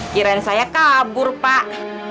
kirain saya kabur pak